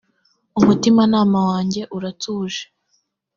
umutimanama wanjye uratuje .